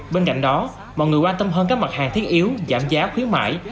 bên cạnh đó mọi người quan tâm hơn các mặt hàng thiết yếu giảm giá khuyến mại